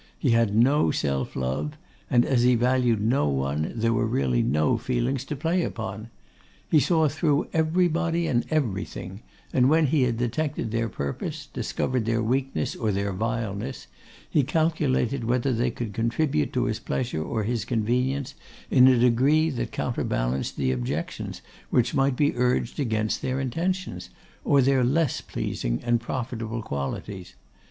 He had no self love, and as he valued no one, there were really no feelings to play upon. He saw through everybody and everything; and when he had detected their purpose, discovered their weakness or their vileness, he calculated whether they could contribute to his pleasure or his convenience in a degree that counterbalanced the objections which might be urged against their intentions, or their less pleasing and profitable qualities.